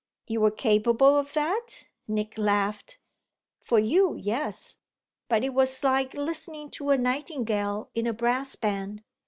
"You were capable of that?" Nick laughed. "For you, yes. But it was like listening to a nightingale in a brass band."